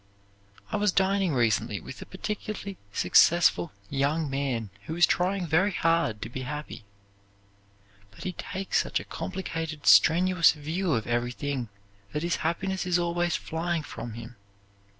I was dining recently with a particularly successful young man who is trying very hard to be happy, but he takes such a complicated, strenuous view of everything that his happiness is always flying from him.